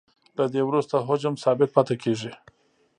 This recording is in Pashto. له دې وروسته حجم ثابت پاتې کیږي